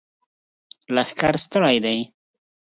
لښکر ستړی دی!